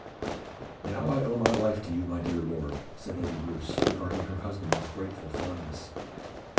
"Now I owe my life to you, my dear Lord," said Lady Roos, regarding her husband with grateful fondness.